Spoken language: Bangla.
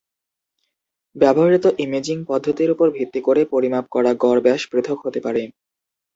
ব্যবহৃত ইমেজিং পদ্ধতির উপর ভিত্তি করে পরিমাপ করা গড় ব্যাস পৃথক হতে পারে।